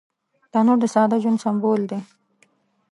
تنور د ساده ژوند سمبول دی